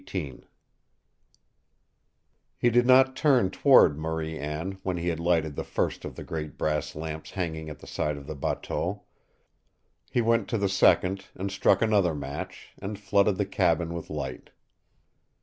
XVIII He did not turn toward Marie Anne when he had lighted the first of the great brass lamps hanging at the side of the bateau. He went to the second, and struck another match, and flooded the cabin with light.